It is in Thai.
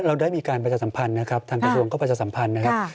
เราได้มีการประชาสัมพันธ์นะครับทางกระทรวงก็ประชาสัมพันธ์นะครับ